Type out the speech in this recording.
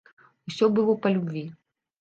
Усё было па любві.